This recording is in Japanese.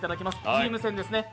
チーム戦ですね。